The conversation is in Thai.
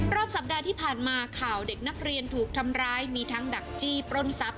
สัปดาห์ที่ผ่านมาข่าวเด็กนักเรียนถูกทำร้ายมีทั้งดักจี้ปล้นทรัพย